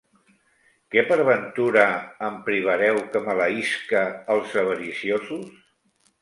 Que per ventura em privareu que maleïsca els avariciosos?